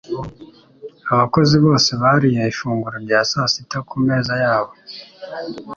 Abakozi bose bariye ifunguro rya saa sita ku meza yabo.